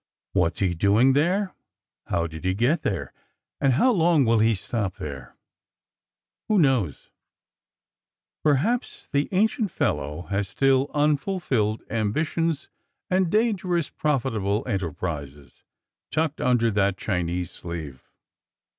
What's he doing there, how did he get there, and how long will he stop there ? Who knows ! Perhaps the ancient fellow has still unfulfilled am bitions and dangerous, profitable enterprises tucked away under that Chinese sleeve.